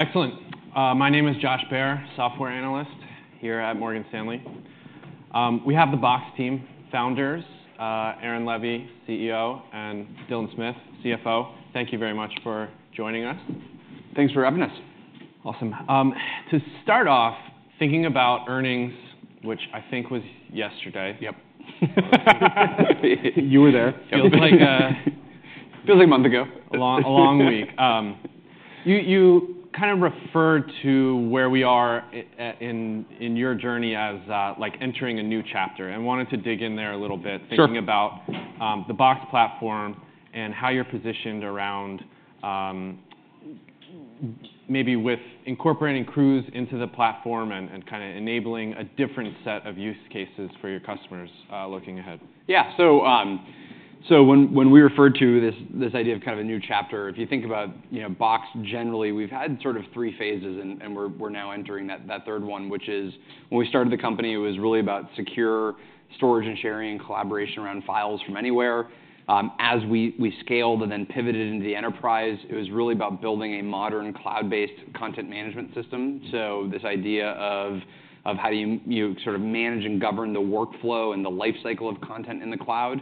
Excellent. My name is Josh Baer, Software Analyst here at Morgan Stanley. We have the Box team founders, Aaron Levie, CEO, and Dylan Smith, CFO. Thank you very much for joining us. Thanks for having us. Awesome. To start off, thinking about earnings, which I think was yesterday. Yep. You were there. Feels like a- Feels like a month ago. Ah, a long week. You kind of referred to where we are in your journey as like entering a new chapter. I wanted to dig in there a little bit- Sure thinking about the Box Platform and how you're positioned around maybe with incorporating Crooze into the platform and kind of enabling a different set of use cases for your customers, looking ahead. Yeah. So when we referred to this idea of kind of a new chapter, if you think about, you know, Box generally, we've had sort of three phases, and we're now entering that third one, which is when we started the company, it was really about secure storage and sharing, collaboration around files from anywhere. As we scaled and then pivoted into the enterprise, it was really about building a modern cloud-based content management system. So this idea of how do you sort of manage and govern the workflow and the life cycle of content in the cloud.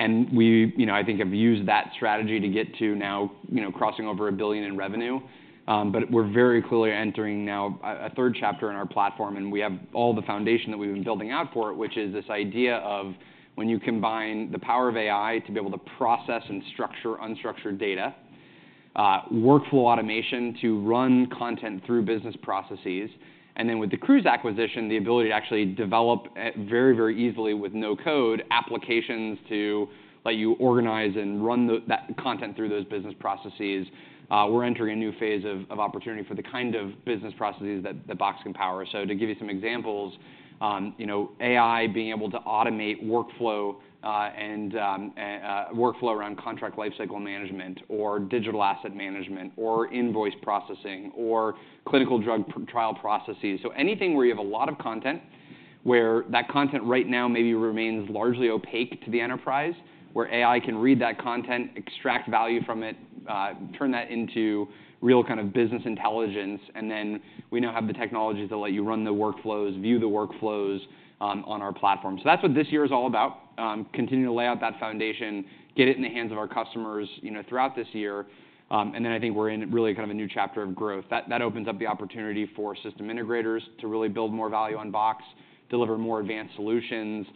And we, you know, I think have used that strategy to get to now, you know, crossing over $1 billion in revenue. But we're very clearly entering now a third chapter in our platform, and we have all the foundation that we've been building out for it, which is this idea of when you combine the power of AI to be able to process and structure unstructured data, workflow automation to run content through business processes, and then with the Crooze acquisition, the ability to actually develop at very, very easily with no code, applications to let you organize and run that content through those business processes. We're entering a new phase of opportunity for the kind of business processes that Box can power. So to give you some examples, you know, AI being able to automate workflow, and workflow around contract lifecycle management, or digital asset management, or invoice processing, or clinical drug trial processes. So anything where you have a lot of content, where that content right now maybe remains largely opaque to the enterprise, where AI can read that content, extract value from it, turn that into real kind of business intelligence, and then we now have the technology to let you run the workflows, view the workflows, on our platform. So that's what this year is all about, continuing to lay out that foundation, get it in the hands of our customers, you know, throughout this year. And then I think we're in really kind of a new chapter of growth. That, that opens up the opportunity for system integrators to really build more value on Box, deliver more advanced solutions,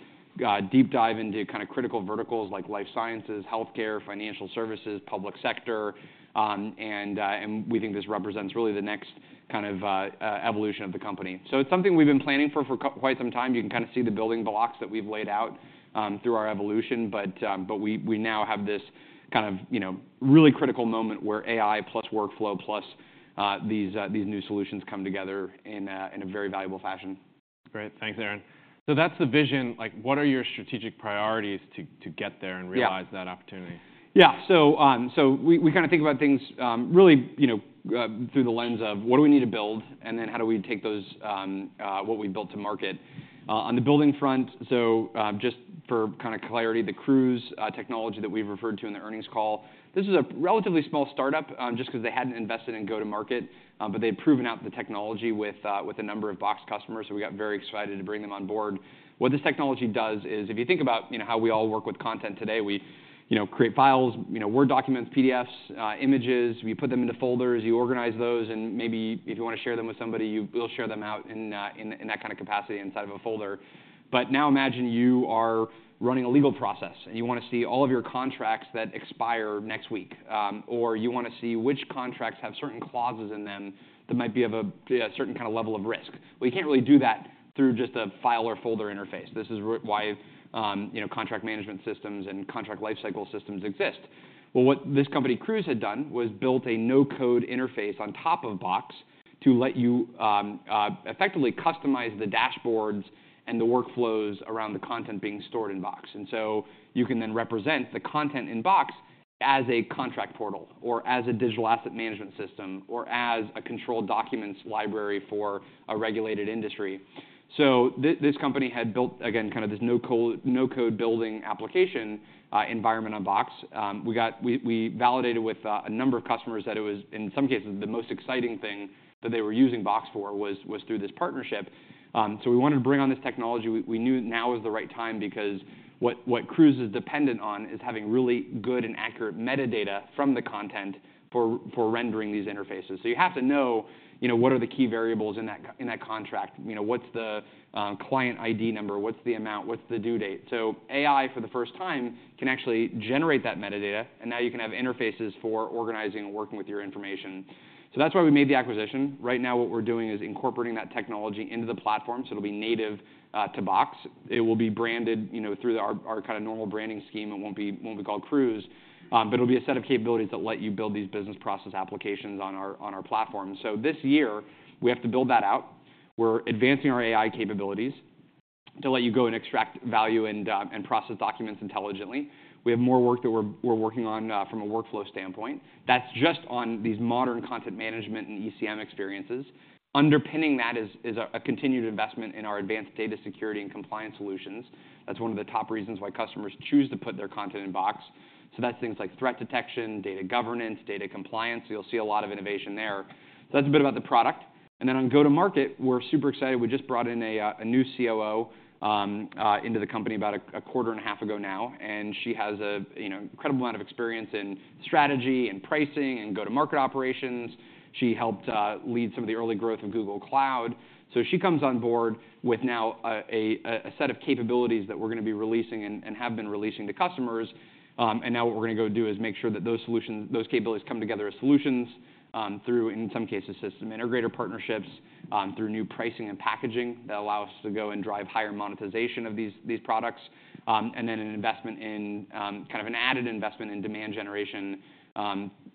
deep dive into kind of critical verticals like life sciences, healthcare, financial services, public sector. And we think this represents really the next kind of evolution of the company. So it's something we've been planning for quite some time. You can kind of see the building blocks that we've laid out through our evolution, but we now have this kind of, you know, really critical moment where AI plus workflow, plus these new solutions come together in a very valuable fashion. Great. Thanks, Aaron. So that's the vision. Like, what are your strategic priorities to get there? Yeah - and realize that opportunity? Yeah. So we kind of think about things really, you know, through the lens of what we need to build, and then how we take those, what we built, to market. On the building front, just for kind of clarity, the Crooze technology that we've referred to in the earnings call, this is a relatively small startup, just 'cause they hadn't invested in go-to-market, but they'd proven out the technology with, with a number of Box customers, so we got very excited to bring them on board. What this technology does is, if you think about, you know, how we all work with content today, we, you know, create files, you know, Word documents, PDFs, images. We put them into folders, you organize those, and maybe if you want to share them with somebody, we'll share them out in, in that kind of capacity inside of a folder. But now imagine you are running a legal process, and you want to see all of your contracts that expire next week, or you want to see which contracts have certain clauses in them that might be of a certain kind of level of risk. Well, you can't really do that through just a file or folder interface. This is why, you know, contract management systems and contract lifecycle systems exist. Well, what this company, Crooze, had done was built a no-code interface on top of Box to let you effectively customize the dashboards and the workflows around the content being stored in Box. And so you can then represent the content in Box as a contract portal or as a digital asset management system or as a controlled documents library for a regulated industry. So this company had built, again, kind of this no code building application environment on Box. We validated with a number of customers that it was, in some cases, the most exciting thing that they were using Box for was through this partnership. So we wanted to bring on this technology. We knew now is the right time because what Crooze is dependent on is having really good and accurate metadata from the content for rendering these interfaces. So you have to know, you know, what are the key variables in that contract? You know, what's the client ID number? What's the amount? What's the due date? So AI, for the first time, can actually generate that metadata, and now you can have interfaces for organizing and working with your information. So that's why we made the acquisition. Right now, what we're doing is incorporating that technology into the platform, so it'll be native to Box. It will be branded, you know, through our kind of normal branding scheme. It won't be called Crooze, but it'll be a set of capabilities that let you build these business process applications on our platform. So this year, we have to build that out. We're advancing our AI capabilities to let you go and extract value and process documents intelligently. We have more work that we're working on from a workflow standpoint. That's just on these modern content management and ECM experiences. Underpinning that is a continued investment in our advanced data security and compliance solutions. That's one of the top reasons why customers choose to put their content in Box. So that's things like threat detection, data governance, data compliance. You'll see a lot of innovation there. So that's a bit about the product. And then on go-to-market, we're super excited. We just brought in a new COO into the company about a quarter and a half ago now, and she has, you know, incredible amount of experience in strategy, and pricing, and go-to-market operations. She helped lead some of the early growth of Google Cloud. So she comes on board with now a set of capabilities that we're going to be releasing and have been releasing to customers. And now what we're going to go do is make sure that those solutions—those capabilities come together as solutions, through, in some cases, system integrator partnerships, through new pricing and packaging that allow us to go and drive higher monetization of these products. And then an investment in kind of an added investment in demand generation,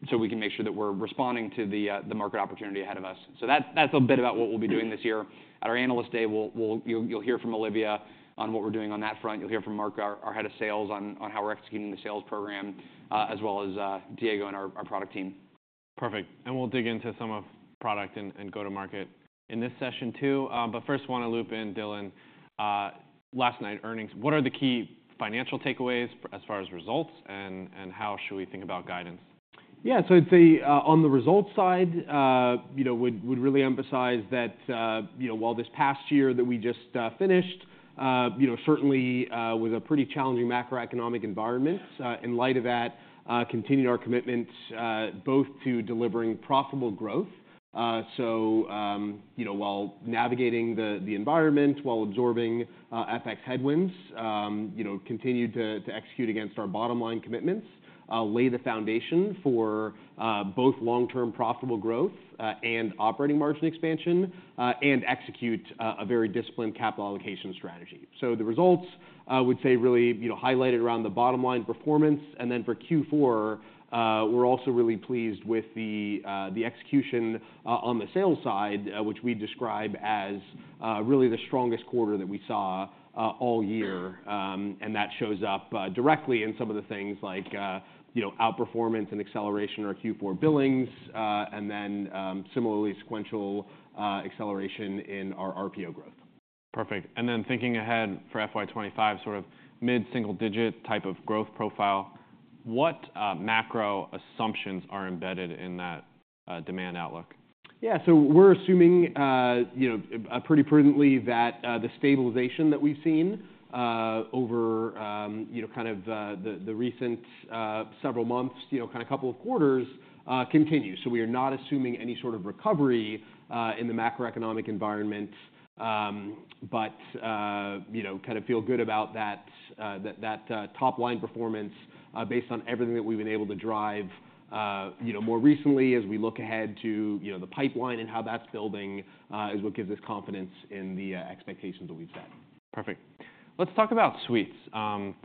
so we can make sure that we're responding to the market opportunity ahead of us. So that's a bit about what we'll be doing this year. At our Analyst Day, we'll—you'll hear from Olivia on what we're doing on that front. You'll hear from Mark, our Head of Sales, on how we're executing the sales program, as well as Diego and our product team. Perfect, and we'll dig into some of product and go-to-market in this session too. But first, want to loop in Dylan. Last night earnings, what are the key financial takeaways for—as far as results, and how should we think about guidance? Yeah, so I'd say on the results side, you know, we'd really emphasize that, you know, while this past year that we just finished, you know, certainly was a pretty challenging macroeconomic environment. In light of that, continued our commitments both to delivering profitable growth. So, you know, while navigating the environment, while absorbing FX headwinds, you know, continued to execute against our bottom line commitments, lay the foundation for both long-term profitable growth and operating margin expansion, and execute a very disciplined capital allocation strategy. So the results, I would say, really, you know, highlighted around the bottom line performance. And then for Q4, we're also really pleased with the execution on the sales side, which we describe as really the strongest quarter that we saw all year. And that shows up directly in some of the things like, you know, outperformance and acceleration in our Q4 billings, and then similarly, sequential acceleration in our RPO growth. Perfect. Then thinking ahead for FY 2025, sort of mid-single-digit type of growth profile, what macro assumptions are embedded in that demand outlook? Yeah. So we're assuming, you know, pretty prudently that the stabilization that we've seen over you know kind of the recent several months, you know kind of couple of quarters, continue. So we are not assuming any sort of recovery in the macroeconomic environment. But you know kind of feel good about that that top-line performance based on everything that we've been able to drive you know more recently as we look ahead to you know the pipeline and how that's building is what gives us confidence in the expectations that we've set. Perfect. Let's talk about suites.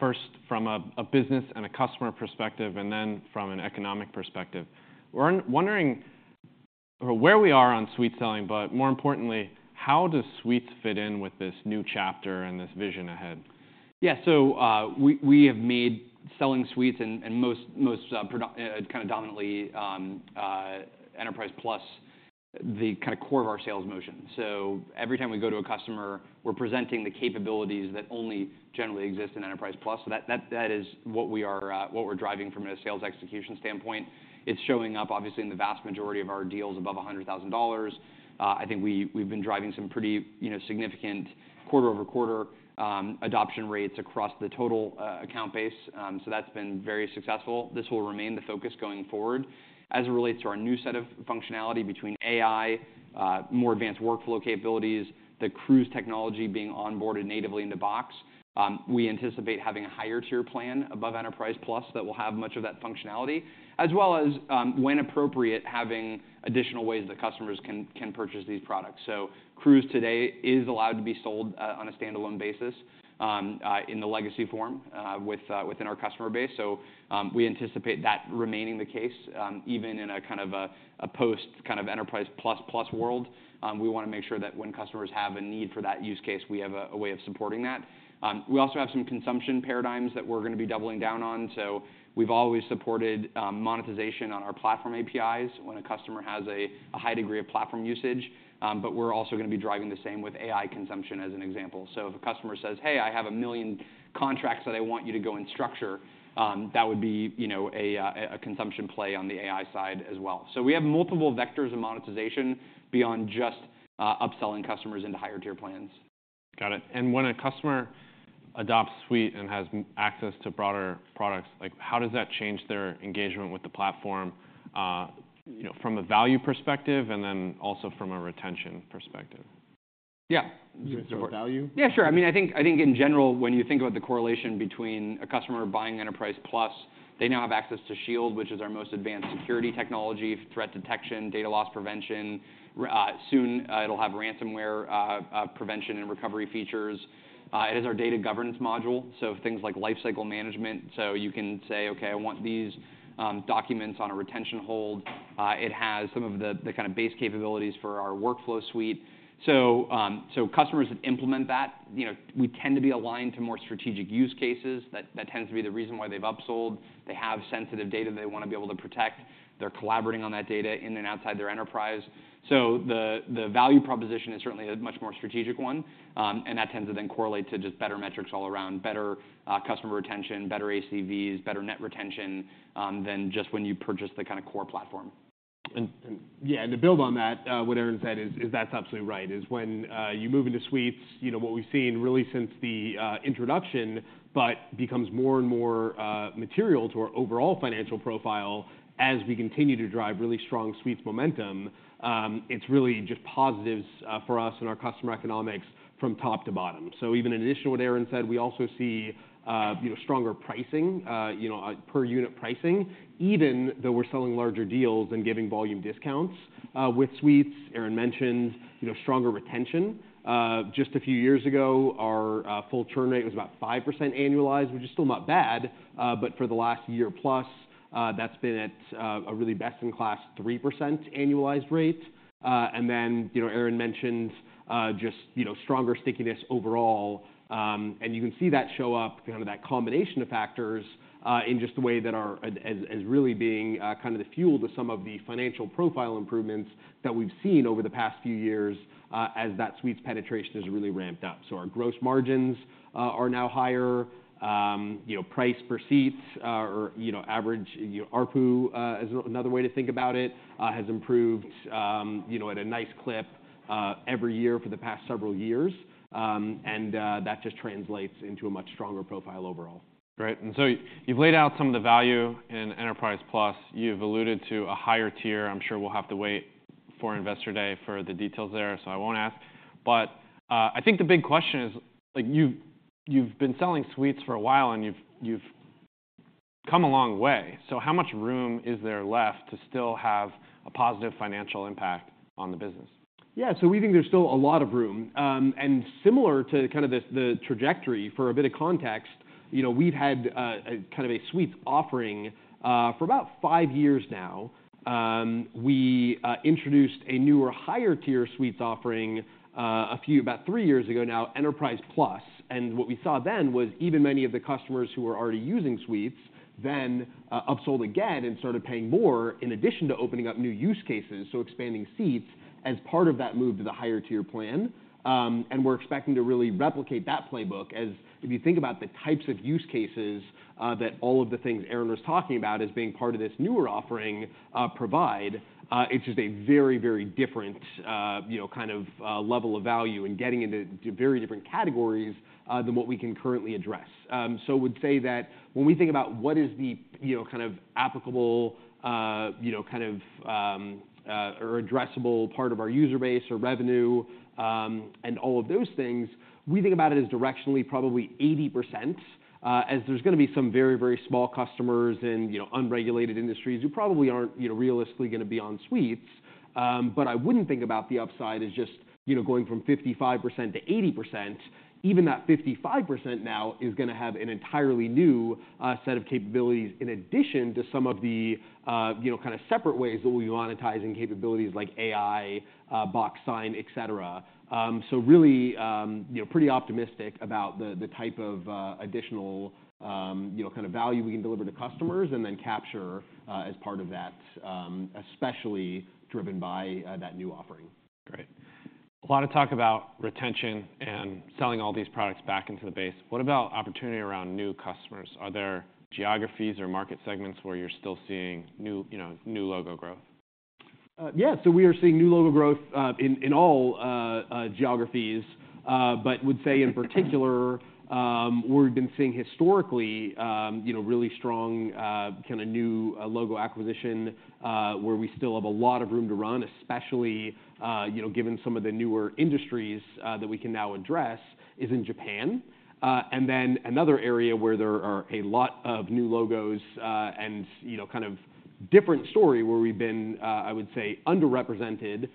First, from a business and a customer perspective, and then from an economic perspective. We're wondering where we are on suite selling, but more importantly, how does suites fit in with this new chapter and this vision ahead? Yeah. So, we have made selling suites and most dominantly Enterprise Plus the core of our sales motion. So every time we go to a customer, we're presenting the capabilities that only generally exist in Enterprise Plus. So that is what we're driving from a sales execution standpoint. It's showing up, obviously, in the vast majority of our deals above $100,000. I think we've been driving some pretty, you know, significant quarter-over-quarter adoption rates across the total account base. So that's been very successful. This will remain the focus going forward. As it relates to our new set of functionality between AI, more advanced workflow capabilities, the Crooze technology being onboarded natively into Box, we anticipate having a higher tier plan above Enterprise Plus that will have much of that functionality, as well as, when appropriate, having additional ways that customers can purchase these products. So Crooze today is allowed to be sold on a standalone basis in the legacy form within our customer base. So we anticipate that remaining the case even in a kind of a post kind of Enterprise Plus plus world. We wanna make sure that when customers have a need for that use case, we have a way of supporting that. We also have some consumption paradigms that we're gonna be doubling down on. So we've always supported monetization on our platform APIs when a customer has a high degree of platform usage. But we're also gonna be driving the same with AI consumption, as an example. So if a customer says, "Hey, I have 1 million contracts that I want you to go and structure," that would be, you know, a consumption play on the AI side as well. So we have multiple vectors of monetization beyond just upselling customers into higher tier plans. Got it. And when a customer adopts Suite and has access to broader products, like, how does that change their engagement with the platform, you know, from a value perspective, and then also from a retention perspective? Yeah. You can start with value? Yeah, sure. I mean, I think, I think in general, when you think about the correlation between a customer buying Enterprise Plus, they now have access to Shield, which is our most advanced security technology, threat detection, data loss prevention. Soon, it'll have ransomware prevention and recovery features. It is our data governance module, so things like lifecycle management. So you can say: Okay, I want these documents on a retention hold. It has some of the kind of base capabilities for our workflow suite. So, customers that implement that, you know, we tend to be aligned to more strategic use cases. That, that tends to be the reason why they've upsold. They have sensitive data they want to be able to protect. They're collaborating on that data in and outside their enterprise. So the value proposition is certainly a much more strategic one, and that tends to then correlate to just better metrics all around, better, customer retention, better ACVs, better net retention, than just when you purchase the kind of core platform. Yeah, to build on that, what Aaron said is that's absolutely right when you move into Suites, you know, what we've seen really since the introduction but becomes more and more material to our overall financial profile as we continue to drive really strong Suites momentum. It's really just positives for us and our customer economics from top to bottom. So even in addition to what Aaron said, we also see, you know, stronger pricing, you know, per unit pricing, even though we're selling larger deals and giving volume discounts with Suites. Aaron mentioned, you know, stronger retention. Just a few years ago, our full churn rate was about 5% annualized, which is still not bad, but for the last year plus, that's been at a really best-in-class 3% annualized rate. And then, you know, Aaron mentioned, just, you know, stronger stickiness overall. And you can see that show up, kind of that combination of factors, in just the way that our as really being kind of the fuel to some of the financial profile improvements that we've seen over the past few years, as that Suites penetration has really ramped up. So our gross margins are now higher. You know, price per seats, or, you know, average, you know, ARPU, is another way to think about it, has improved, you know, at a nice clip, every year for the past several years. That just translates into a much stronger profile overall. Great. And so you've laid out some of the value in Enterprise Plus. You've alluded to a higher tier. I'm sure we'll have to wait for Investor Day for the details there, so I won't ask. But, I think the big question is, like, you've been selling Suites for a while, and you've come a long way, so how much room is there left to still have a positive financial impact on the business? Yeah, so we think there's still a lot of room. And similar to kind of the trajectory for a bit of context, you know, we've had a kind of a Suites offering for about five years now. We introduced a newer, higher-tier Suites offering about three years ago now, Enterprise Plus. And what we saw then was even many of the customers who were already using Suites then upsold again and started paying more, in addition to opening up new use cases, so expanding seats as part of that move to the higher-tier plan. And we're expecting to really replicate that playbook, as if you think about the types of use cases, that all of the things Aaron was talking about as being part of this newer offering, provide, it's just a very, very different, you know, kind of, level of value and getting into very different categories, than what we can currently address. So would say that when we think about what is the, you know, kind of applicable, you know, kind of, or addressable part of our user base or revenue, and all of those things, we think about it as directionally probably 80%, as there's gonna be some very, very small customers in, you know, unregulated industries who probably aren't, you know, realistically gonna be on Suites. But I wouldn't think about the upside as just, you know, going from 55% to 80%. Even that 55% now is gonna have an entirely new set of capabilities, in addition to some of the, you know, kind of separate ways that we're monetizing capabilities like AI, Box Sign, et cetera. So really, you know, pretty optimistic about the type of additional, you know, kind of value we can deliver to customers and then capture as part of that, especially driven by that new offering. Great. A lot of talk about retention and selling all these products back into the base. What about opportunity around new customers? Are there geographies or market segments where you're still seeing new, you know, new logo growth? Yeah, so we are seeing new logo growth in all geographies, but would say in particular, where we've been seeing historically, you know, really strong kinda new logo acquisition, where we still have a lot of room to run, especially, you know, given some of the newer industries that we can now address, is in Japan. And then another area where there are a lot of new logos, and, you know, kind of different story where we've been, I would say, underrepresented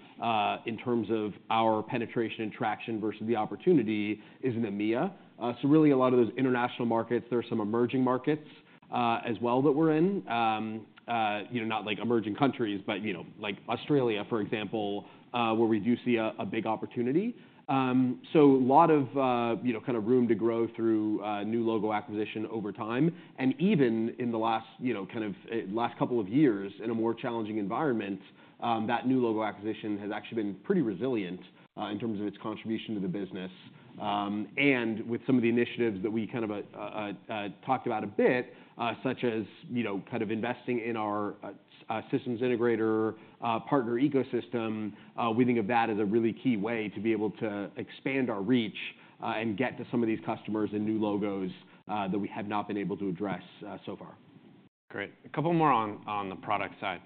in terms of our penetration and traction versus the opportunity is in EMEA. So really a lot of those international markets, there are some emerging markets as well that we're in. You know, not like emerging countries, but you know, like Australia, for example, where we do see a big opportunity. So a lot of, you know, kind of room to grow through new logo acquisition over time. And even in the last, you know, kind of last couple of years, in a more challenging environment, that new logo acquisition has actually been pretty resilient, in terms of its contribution to the business. And with some of the initiatives that we kind of talked about a bit, such as, you know, kind of investing in our systems integrator partner ecosystem, we think of that as a really key way to be able to expand our reach and get to some of these customers and new logos that we have not been able to address so far. Great. A couple more on the product side.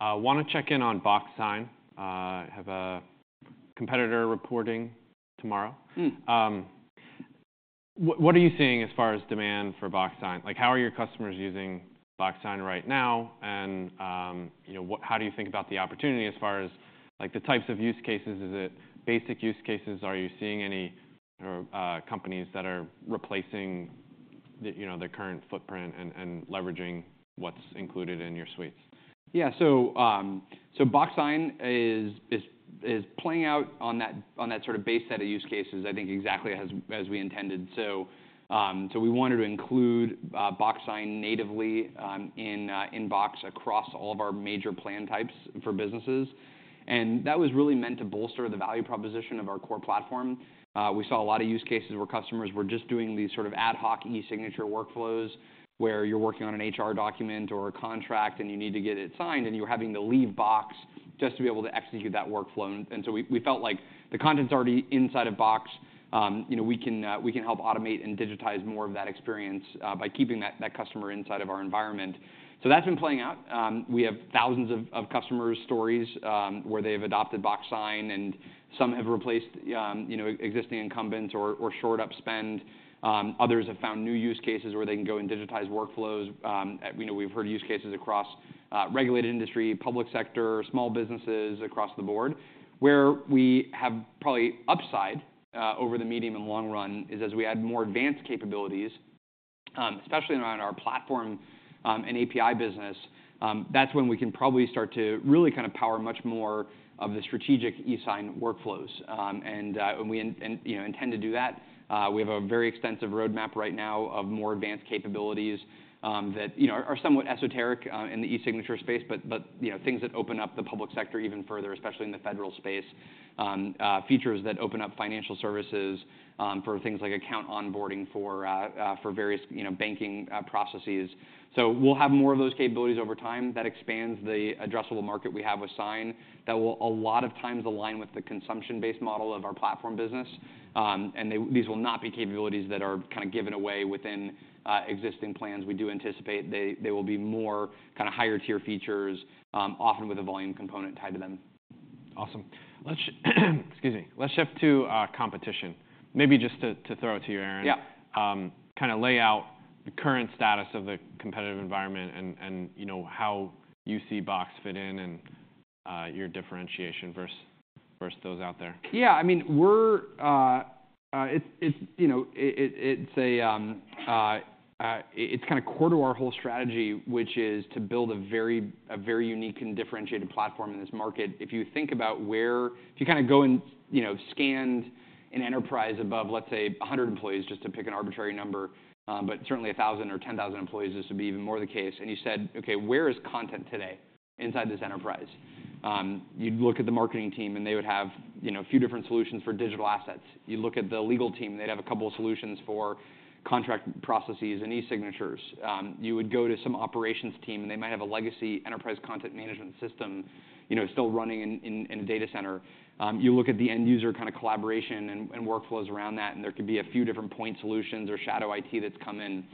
Want to check in on Box Sign. Have a competitor reporting tomorrow. Hmm. What are you seeing as far as demand for Box Sign? Like, how are your customers using Box Sign right now? And, you know, how do you think about the opportunity as far as, like, the types of use cases? Is it basic use cases? Are you seeing any or companies that are replacing the, you know, the current footprint and leveraging what's included in your suites? Yeah. So Box Sign is playing out on that sort of base set of use cases, I think, exactly as we intended. So we wanted to include Box Sign natively in Box across all of our major plan types for businesses, and that was really meant to bolster the value proposition of our core platform. We saw a lot of use cases where customers were just doing these sort of ad hoc e-signature workflows, where you're working on an HR document or a contract, and you need to get it signed, and you're having to leave Box just to be able to execute that workflow. So we felt like the content's already inside of Box, you know, we can help automate and digitize more of that experience by keeping that customer inside of our environment. So that's been playing out. We have thousands of customer stories where they've adopted Box Sign, and some have replaced, you know, existing incumbents or shored up spend. Others have found new use cases where they can go and digitize workflows. We know we've heard use cases across regulated industry, public sector, small businesses across the board. Where we have probably upside over the medium and long run is as we add more advanced capabilities, especially around our platform and API business, that's when we can probably start to really kind of power much more of the strategic eSign workflows. And we, you know, intend to do that. We have a very extensive roadmap right now of more advanced capabilities that, you know, are somewhat esoteric in the e-signature space, but, you know, things that open up the public sector even further, especially in the federal space. Features that open up financial services for things like account onboarding for various, you know, banking processes. So we'll have more of those capabilities over time. That expands the addressable market we have with Sign that will a lot of times align with the consumption-based model of our platform business. These will not be capabilities that are kind of given away within existing plans. We do anticipate they will be more kinda higher-tier features, often with a volume component tied to them. Awesome. Let's excuse me. Let's shift to, competition. Maybe just to, to throw it to you, Aaron. Yeah. Kinda lay out the current status of the competitive environment and, you know, how you see Box fit in and your differentiation versus those out there? Yeah, I mean, we're, it's, it's, you know, it, it's kinda core to our whole strategy, which is to build a very unique and differentiated platform in this market. If you think about where—if you kinda go and, you know, scan an enterprise above, let's say, 100 employees, just to pick an arbitrary number, but certainly 1,000 or 10,000 employees, this would be even more the case, and you said: Okay, where is content today inside this enterprise? You'd look at the marketing team, and they would have, you know, a few different solutions for digital assets. You look at the legal team, they'd have a couple of solutions for contract processes and e-signatures. You would go to some operations team, and they might have a legacy enterprise content management system, you know, still running in a data center. You look at the end user kind of collaboration and workflows around that, and there could be a few different point solutions or shadow IT that's come in.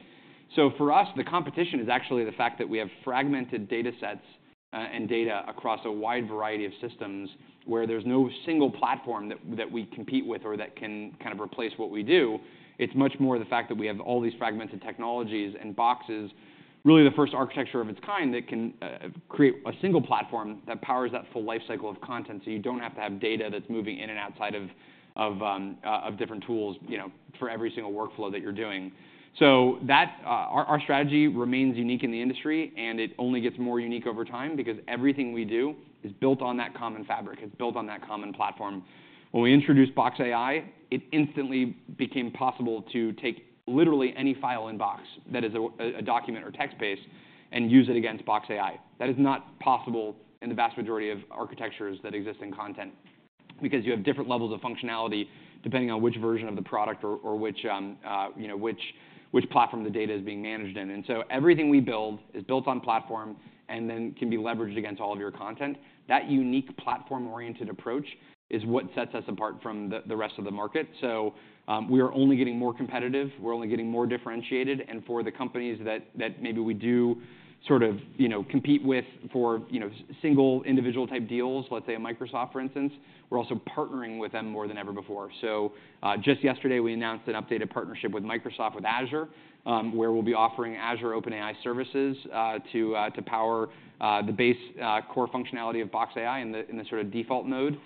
So for us, the competition is actually the fact that we have fragmented data sets and data across a wide variety of systems where there's no single platform that we compete with or that can kind of replace what we do. It's much more the fact that we have all these fragmented technologies, and Box is really the first architecture of its kind that can create a single platform that powers that full life cycle of content, so you don't have to have data that's moving in and outside of different tools, you know, for every single workflow that you're doing. So that our strategy remains unique in the industry, and it only gets more unique over time because everything we do is built on that common fabric, it's built on that common platform. When we introduced Box AI, it instantly became possible to take literally any file in Box that is a document or text-based and use it against Box AI. That is not possible in the vast majority of architectures that exist in content because you have different levels of functionality depending on which version of the product or which you know which platform the data is being managed in. And so everything we build is built on platform and then can be leveraged against all of your content. That unique platform-oriented approach is what sets us apart from the rest of the market. So, we are only getting more competitive, we're only getting more differentiated, and for the companies that maybe we do sort of you know compete with for you know single individual-type deals, let's say a Microsoft, for instance, we're also partnering with them more than ever before. So, just yesterday, we announced an updated partnership with Microsoft, with Azure, where we'll be offering Azure OpenAI services to power the base core functionality of Box AI in the sort of default mode.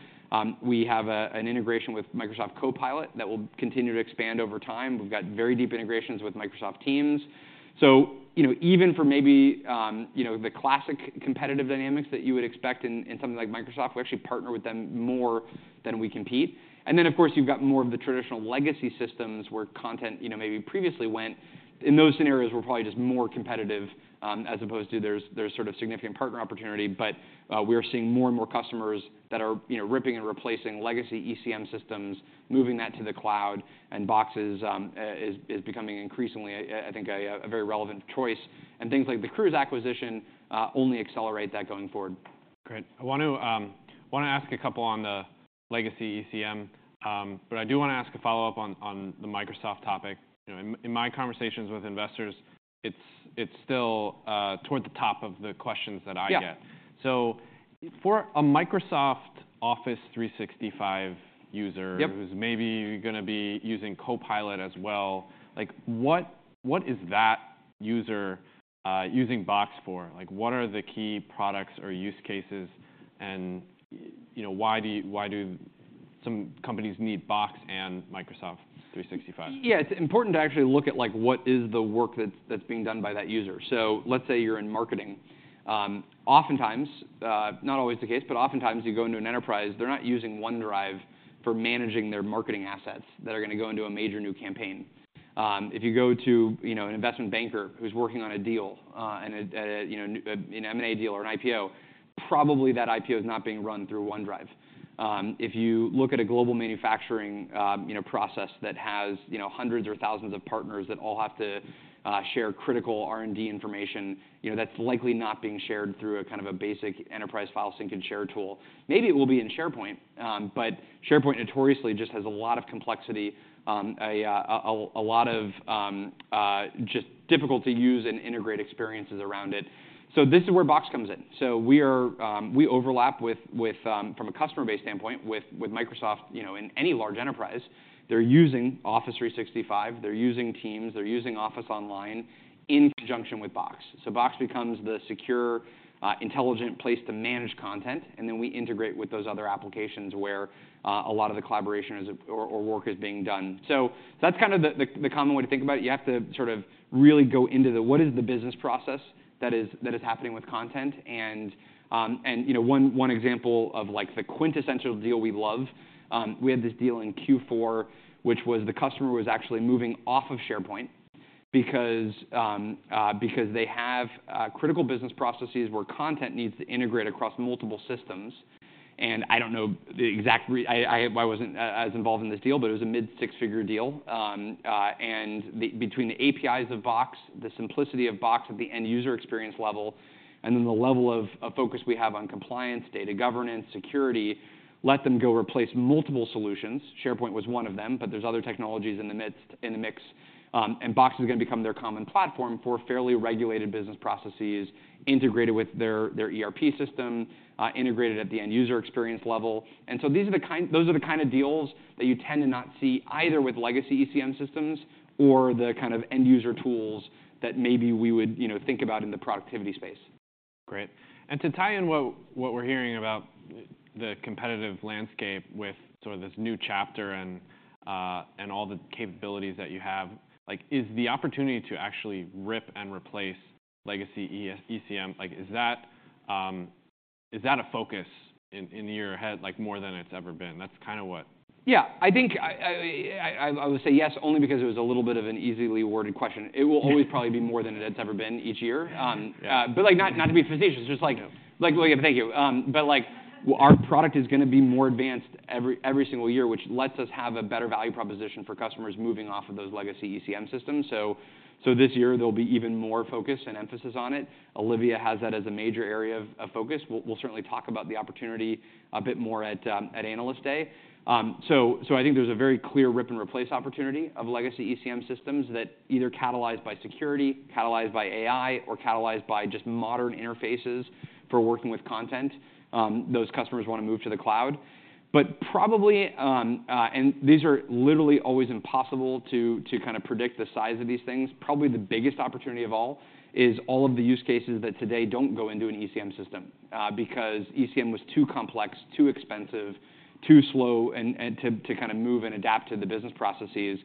We have an integration with Microsoft Copilot that will continue to expand over time. We've got very deep integrations with Microsoft Teams. So, you know, even for maybe, you know, the classic competitive dynamics that you would expect in someone like Microsoft, we actually partner with them more than we compete. And then, of course, you've got more of the traditional legacy systems where content, you know, maybe previously went. In those scenarios, we're probably just more competitive, as opposed to there's sort of significant partner opportunity. But, we are seeing more and more customers that are, you know, ripping and replacing legacy ECM systems, moving that to the cloud, and Box is becoming increasingly, I think, a very relevant choice. And things like the Crooze acquisition only accelerate that going forward. Great. I want to, I wanna ask a couple on the legacy ECM, but I do wanna ask a follow-up on the Microsoft topic. You know, in my conversations with investors, it's still toward the top of the questions that I get. Yeah. For a Microsoft Office 365 user- Yep... who's maybe gonna be using Copilot as well, like, what, what is that user using Box for? Like, what are the key products or use cases, and you know, why do, why do-... some companies need Box and Microsoft 365? Yeah, it's important to actually look at, like, what is the work that's being done by that user. So let's say you're in marketing. Oftentimes, not always the case, but oftentimes, you go into an enterprise, they're not using OneDrive for managing their marketing assets that are gonna go into a major new campaign. If you go to, you know, an investment banker who's working on a deal, and, you know, an M&A deal or an IPO, probably that IPO is not being run through OneDrive. If you look at a global manufacturing, you know, process that has, you know, hundreds or thousands of partners that all have to share critical R&D information, you know, that's likely not being shared through a kind of a basic enterprise file sync and share tool. Maybe it will be in SharePoint, but SharePoint notoriously just has a lot of complexity, a lot of just difficult to use and integrate experiences around it. So this is where Box comes in. So we overlap with, from a customer base standpoint, with Microsoft. You know, in any large enterprise, they're using Office 365, they're using Teams, they're using Office Online in conjunction with Box. So Box becomes the secure, intelligent place to manage content, and then we integrate with those other applications where a lot of the collaboration is, or work is being done. So, that's kind of the common way to think about it. You have to sort of really go into the - what is the business process that is happening with content? You know, one example of, like, the quintessential deal we love. We had this deal in Q4, which was the customer was actually moving off of SharePoint because they have critical business processes where content needs to integrate across multiple systems. And I don't know the exact. I wasn't as involved in this deal, but it was a mid six-figure deal. And between the APIs of Box, the simplicity of Box at the end user experience level, and then the level of focus we have on compliance, data governance, security, let them go replace multiple solutions. SharePoint was one of them, but there's other technologies in the mix. And Box is gonna become their common platform for fairly regulated business processes, integrated with their, their ERP system, integrated at the end user experience level. And so these are the kind—those are the kind of deals that you tend to not see either with legacy ECM systems or the kind of end user tools that maybe we would, you know, think about in the productivity space. Great. And to tie in what we're hearing about the competitive landscape with sort of this new chapter and all the capabilities that you have, like, is the opportunity to actually rip and replace legacy ECM? Like, is that a focus in your head, like, more than it's ever been? That's kind of what- Yeah. I think I would say yes, only because it was a little bit of an easily worded question. It will always probably be more than it's ever been each year. Yeah, yeah. Like, not to be facetious, just like- No. Like, well, thank you. But, like, our product is gonna be more advanced every single year, which lets us have a better value proposition for customers moving off of those legacy ECM systems. So this year there'll be even more focus and emphasis on it. Olivia has that as a major area of focus. We'll certainly talk about the opportunity a bit more at Analyst Day. So I think there's a very clear rip-and-replace opportunity of legacy ECM systems that either catalyzed by security, catalyzed by AI, or catalyzed by just modern interfaces for working with content, those customers want to move to the cloud. But probably... And these are literally always impossible to kind of predict the size of these things. Probably, the biggest opportunity of all is all of the use cases that today don't go into an ECM system, because ECM was too complex, too expensive, too slow, and to kind of move and adapt to the business processes.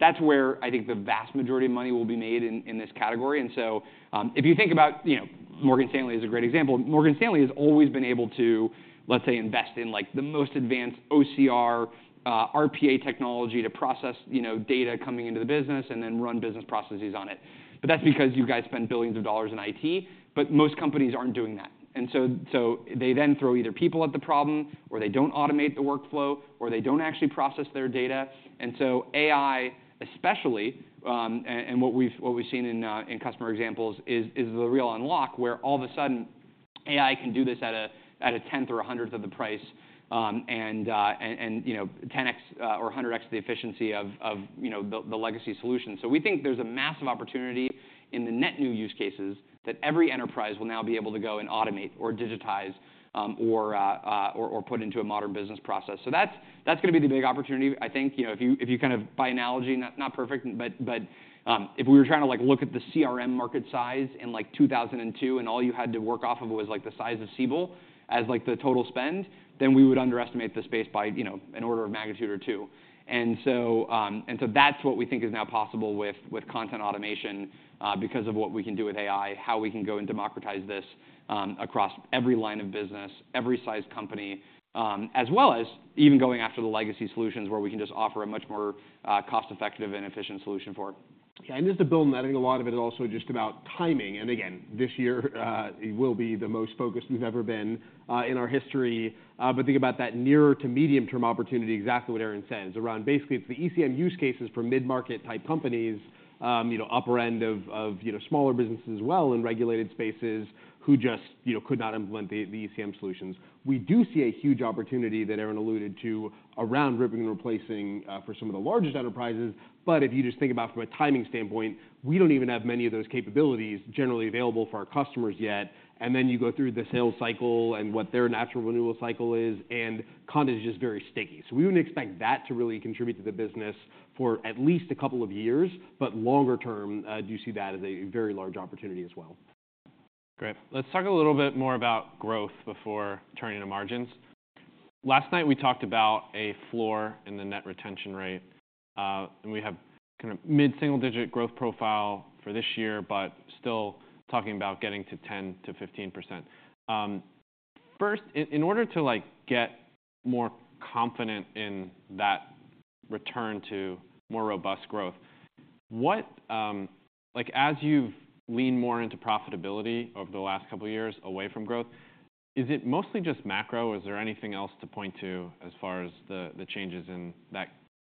That's where I think the vast majority of money will be made in this category. So, if you think about... You know, Morgan Stanley is a great example. Morgan Stanley has always been able to, let's say, invest in, like, the most advanced OCR, RPA technology to process, you know, data coming into the business and then run business processes on it. But that's because you guys spend billions of dollars in IT, but most companies aren't doing that. And so they then throw either people at the problem, or they don't automate the workflow, or they don't actually process their data. And so AI, especially, and what we've seen in customer examples is the real unlock, where all of a sudden, AI can do this at a tenth or a hundredth of the price, and you know, 10x or 100x the efficiency of you know, the legacy solution. So we think there's a massive opportunity in the net new use cases that every enterprise will now be able to go and automate or digitize, or put into a modern business process. So that's gonna be the big opportunity. I think, you know, if you kind of by analogy, not perfect, but, if we were trying to, like, look at the CRM market size in, like, 2002, and all you had to work off of was, like, the size of Siebel as, like, the total spend, then we would underestimate the space by, you know, an order of magnitude or two. And so that's what we think is now possible with content automation, because of what we can do with AI, how we can go and democratize this across every line of business, every size company, as well as even going after the legacy solutions, where we can just offer a much more cost-effective and efficient solution for it. Yeah, and just to build on that, I think a lot of it is also just about timing. And again, this year, it will be the most focused we've ever been, in our history. But think about that nearer to medium-term opportunity, exactly what Aaron says, around basically, it's the ECM use cases for mid-market type companies, you know, upper end of, you know, smaller businesses well in regulated spaces, who just, you know, could not implement the ECM solutions. We do see a huge opportunity that Aaron alluded to around ripping and replacing, for some of the largest enterprises. But if you just think about from a timing standpoint, we don't even have many of those capabilities generally available for our customers yet. And then you go through the sales cycle and what their natural renewal cycle is, and content is just very sticky. So we wouldn't expect that to really contribute to the business for at least a couple of years, but longer term, do you see that as a very large opportunity as well? ... Great. Let's talk a little bit more about growth before turning to margins. Last night, we talked about a floor in the net retention rate, and we have kind of mid-single-digit growth profile for this year, but still talking about getting to 10%-15%. First, in order to, like, get more confident in that return to more robust growth, what? Like, as you've leaned more into profitability over the last couple of years away from growth, is it mostly just macro, or is there anything else to point to as far as the, the changes in that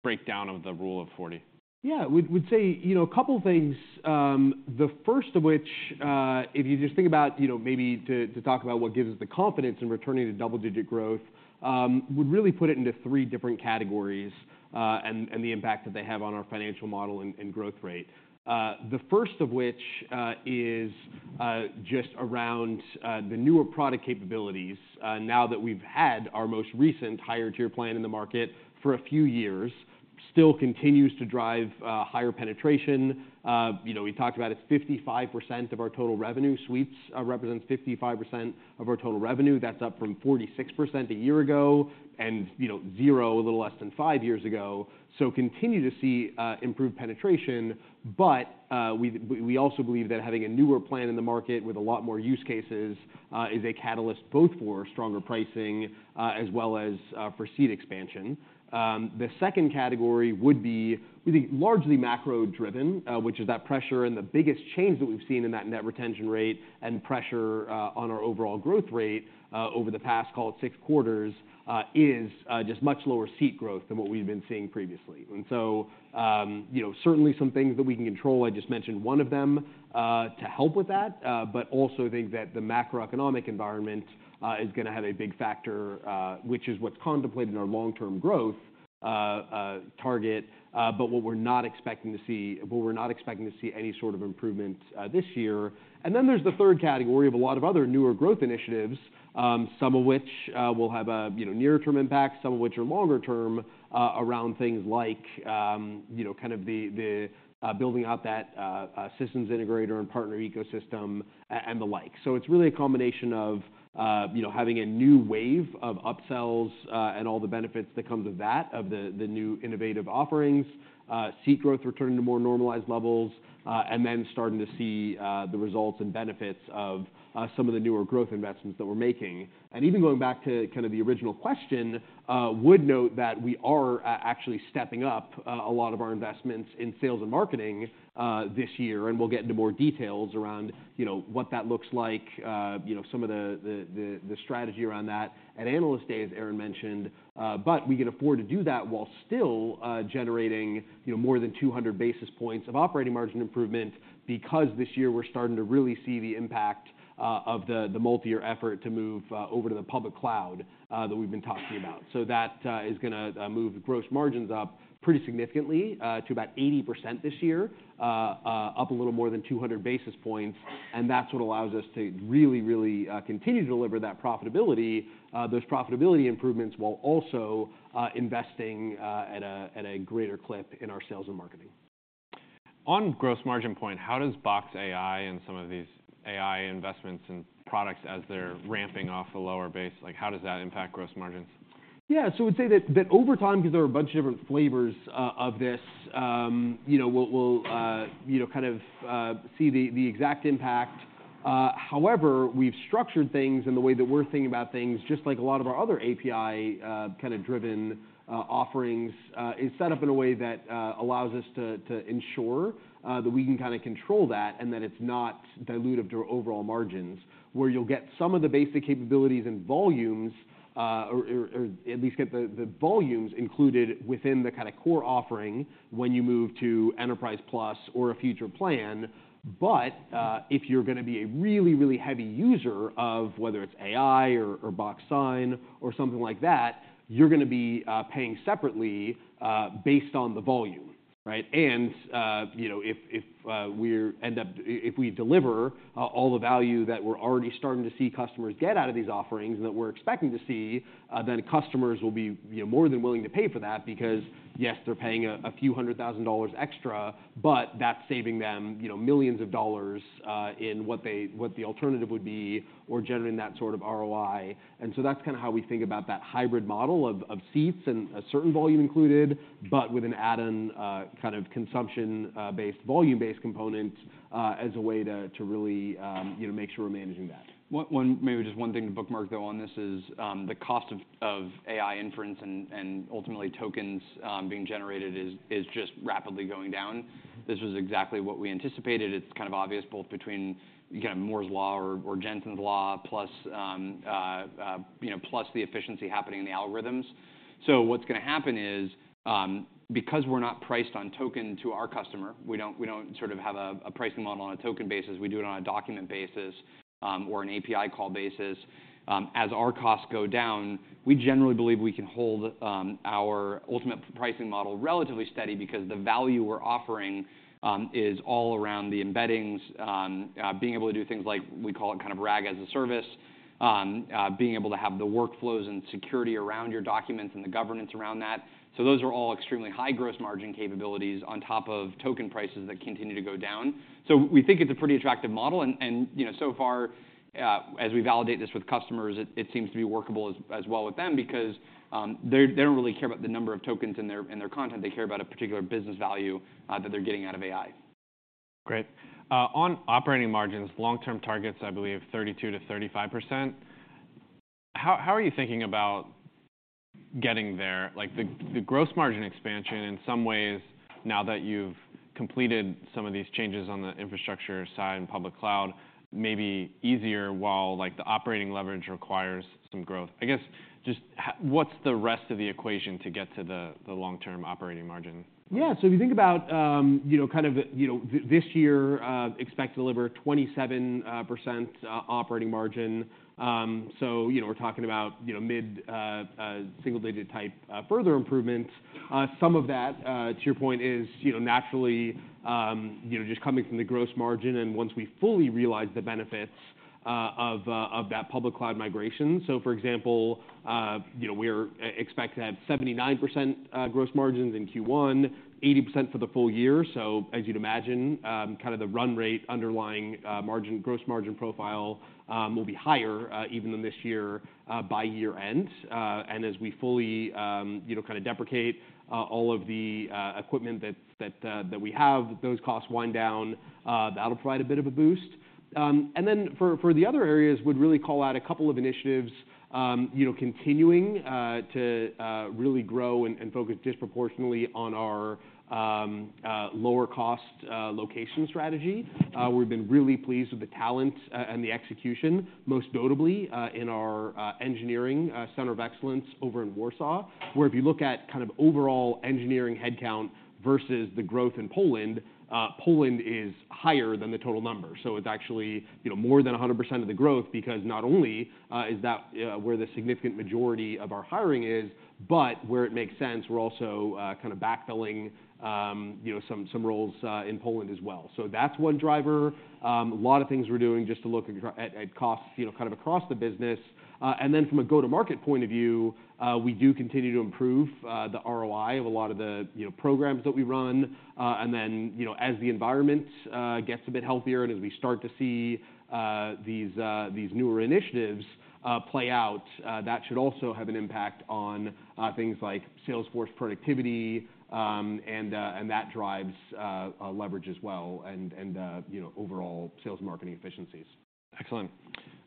breakdown of the Rule of Forty? Yeah. We'd say, you know, a couple things, the first of which, if you just think about, you know, maybe to talk about what gives us the confidence in returning to double-digit growth, we'd really put it into three different categories, and the impact that they have on our financial model and growth rate. The first of which is just around the newer product capabilities, now that we've had our most recent higher-tier plan in the market for a few years, still continues to drive higher penetration. You know, we talked about it's 55% of our total revenue. Suites represents 55% of our total revenue. That's up from 46% a year ago, and, you know, 0 a little less than five years ago. So continue to see improved penetration, but we also believe that having a newer plan in the market with a lot more use cases is a catalyst both for stronger pricing as well as for seat expansion. The second category would be, we think, largely macro-driven, which is that pressure and the biggest change that we've seen in that net retention rate and pressure on our overall growth rate over the past, call it, six quarters is just much lower seat growth than what we've been seeing previously. And so, you know, certainly some things that we can control. I just mentioned one of them to help with that, but also think that the macroeconomic environment is gonna have a big factor, which is what's contemplated in our long-term growth target, but what we're not expecting to see any sort of improvement this year. And then there's the third category of a lot of other newer growth initiatives, some of which will have a, you know, near-term impact, some of which are longer term, around things like, you know, kind of the building out that systems integrator and partner ecosystem and the like. So it's really a combination of, you know, having a new wave of upsells, and all the benefits that come with that, of the new innovative offerings, seat growth returning to more normalized levels, and then starting to see the results and benefits of some of the newer growth investments that we're making. And even going back to kind of the original question, would note that we are actually stepping up a lot of our investments in sales and marketing this year, and we'll get into more details around, you know, what that looks like, you know, some of the strategy around that at Analyst Day, as Aaron mentioned. But we can afford to do that while still generating, you know, more than 200 basis points of operating margin improvement, because this year we're starting to really see the impact of the multi-year effort to move over to the public cloud that we've been talking about. So that is gonna move the gross margins up pretty significantly to about 80% this year, up a little more than 200 basis points. And that's what allows us to really, really continue to deliver that profitability, those profitability improvements, while also investing at a greater clip in our sales and marketing. On gross margin point, how does Box AI and some of these AI investments and products as they're ramping off a lower base, like, how does that impact gross margins? Yeah. So we'd say that over time, because there are a bunch of different flavors of this, you know, we'll see the exact impact. However, we've structured things and the way that we're thinking about things, just like a lot of our other API kind of driven offerings, is set up in a way that allows us to ensure that we can kinda control that, and that it's not dilutive to our overall margins. Where you'll get some of the basic capabilities and volumes, or at least get the volumes included within the kinda core offering when you move to Enterprise Plus or a future plan. But, if you're gonna be a really, really heavy user of whether it's AI or, or Box Sign, or something like that, you're gonna be, paying separately, based on the volume, right? And, you know, if we deliver all the value that we're already starting to see customers get out of these offerings and that we're expecting to see, then customers will be, you know, more than willing to pay for that, because, yes, they're paying $ a few hundred thousand extra, but that's saving them, you know, $ millions, in what the alternative would be or generating that sort of ROI. And so that's kinda how we think about that hybrid model of, of seats and a certain volume included, but with an add-on, kind of consumption, based, volume-based component, as a way to, to really, you know, make sure we're managing that. Maybe just one thing to bookmark, though, on this is the cost of AI inference and ultimately tokens being generated is just rapidly going down. This was exactly what we anticipated. It's kind of obvious, both between, again, Moore's Law or Jensen's Law, plus, you know, plus the efficiency happening in the algorithms. So what's gonna happen is, because we're not priced on token to our customer, we don't, we don't sort of have a, a pricing model on a token basis, we do it on a document basis, or an API call basis, as our costs go down, we generally believe we can hold our ultimate pricing model relatively steady because the value we're offering is all around the embeddings, being able to do things like we call it kind of RAG-as-a-service.... being able to have the workflows and security around your documents and the governance around that. So those are all extremely high gross margin capabilities on top of token prices that continue to go down. So we think it's a pretty attractive model, and, and, you know, so far, as we validate this with customers, it, it seems to be workable as, as well with them because, they, they don't really care about the number of tokens in their, in their content. They care about a particular business value, that they're getting out of AI. Great. On operating margins, long-term targets, I believe 32%-35%, how are you thinking about getting there? Like, the gross margin expansion in some ways, now that you've completed some of these changes on the infrastructure side and public cloud, may be easier, while, like, the operating leverage requires some growth. I guess, just what's the rest of the equation to get to the long-term operating margin? Yeah. So if you think about, you know, kind of, you know, this year, expect to deliver 27% operating margin. So, you know, we're talking about, you know, mid single-digit type further improvements. Some of that, to your point is, you know, naturally, you know, just coming from the gross margin and once we fully realize the benefits of that public cloud migration. So for example, you know, we're expect to have 79% gross margins in Q1, 80% for the full year. So as you'd imagine, kind of the run rate underlying margin, gross margin profile, will be higher, even than this year, by year end. And as we fully, you know, kind of deprecate all of the equipment that we have, those costs wind down. That'll provide a bit of a boost. And then for the other areas, we would really call out a couple of initiatives, you know, continuing to really grow and focus disproportionately on our lower cost location strategy. We've been really pleased with the talent and the execution, most notably, in our engineering center of excellence over in Warsaw, where if you look at kind of overall engineering headcount versus the growth in Poland, Poland is higher than the total number. So it's actually, you know, more than 100% of the growth because not only is that where the significant majority of our hiring is, but where it makes sense, we're also kind of backfilling, you know, some roles in Poland as well. So that's one driver. A lot of things we're doing just to look at costs, you know, kind of across the business. And then from a go-to-market point of view, we do continue to improve the ROI of a lot of the, you know, programs that we run. And then, you know, as the environment gets a bit healthier and as we start to see these newer initiatives play out, that should also have an impact on things like sales force productivity, and that drives leverage as well, and you know, overall sales marketing efficiencies. Excellent.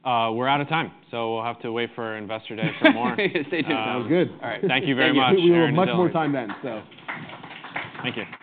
We're out of time, so we'll have to wait for Investor Day for more. Stay tuned. Sounds good. All right. Thank you very much. Thank you. We'll have much more time then, so. Thank you.